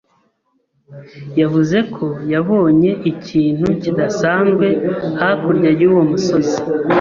yavuze ko yabonye ikintu kidasanzwe hakurya yuwo musozi.